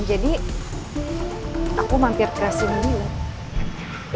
jadi aku mampir ke sini dulu